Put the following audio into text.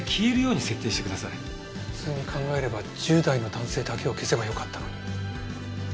普通に考えれば１０代の男性だけを消せばよかったのに。